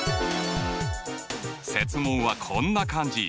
設問はこんな感じ。